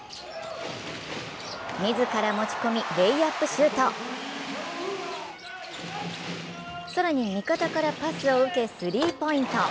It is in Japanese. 自ら持ち込み、レイアップシュート更に味方からパスを受け、スリーポイント。